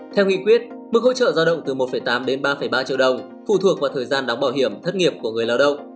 theo nghị quyết mức hỗ trợ giao động từ một tám đến ba ba triệu đồng phụ thuộc vào thời gian đóng bảo hiểm thất nghiệp của người lao động